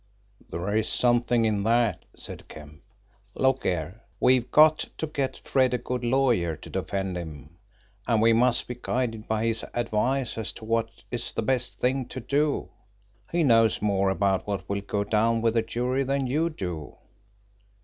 "There is something in that," said Kemp. "Look here, we've got to get Fred a good lawyer to defend him, and we must be guided by his advice as to what is the best thing to do. He knows more about what will go down with a jury than you do."